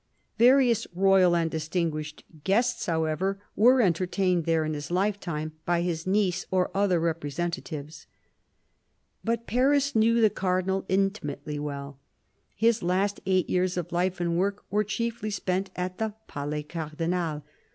Various royal and distinguished guests, however, were entertained there in his lifetime by his niece or other representatives. But Paris knew the Cardinal intimately well. His last eight years of life and work were chiefly spent at the Palais Cardinal.